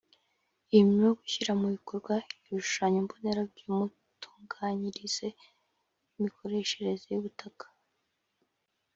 imirimo yo gushyira mu bikorwa ibishushanyo mbonera by’imitunganyirize y’imikoreshereze y’ubutaka